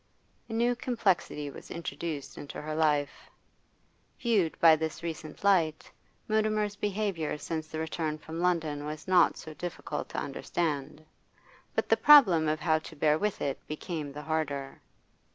A new complexity was introduced into her life. Viewed by this recent light, Mutimer's behaviour since the return from London was not so difficult to understand; but the problem of how to bear with it became the harder.